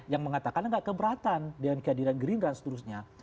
yang mengatakan gak keberatan dengan kehadiran gerindra seterusnya